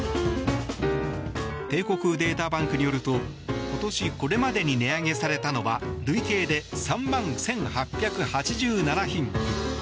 帝国データバンクによると今年これまでに値上げされたのは累計で３万１８８７品目。